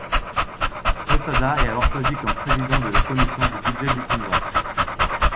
Posada est alors choisi comme président de la commission du Budget du Congrès.